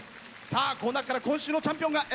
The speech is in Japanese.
さあこの中から今週のチャンピオンが選ばれます。